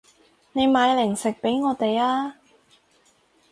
你買零食畀我哋啊